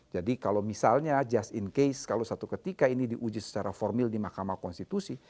jadi kalau misalnya just in case kalau satu ketika ini diuji secara formil di makamah konstitusi